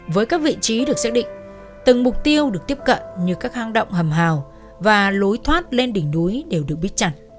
với các vị trí được xác định từng mục tiêu được tiếp cận như các hang động hầm hào và lối thoát lên đỉnh núi đều được biết chặt